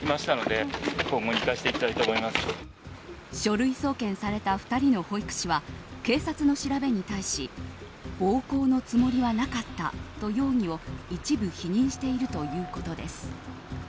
書類送検された２人の保育士は警察の調べに対し暴行のつもりはなかったと容疑を一部否認しているということです。